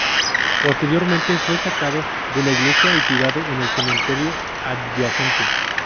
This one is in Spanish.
Posteriormente fue sacado de la iglesia y tirado en el cementerio adyacente.